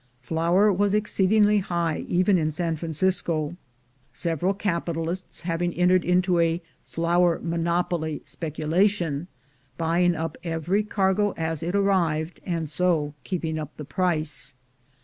Flour was exceedingly high even in San Francisco, several capitalists having entered into a flour monopoly speculation, buying up every cargo as it arrived, and so keeping up the price.